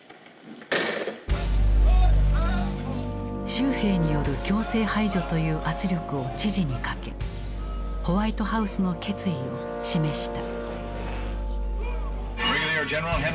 州兵による強制排除という圧力を知事にかけホワイトハウスの決意を示した。